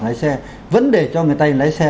lái xe vẫn để cho người ta đi lái xe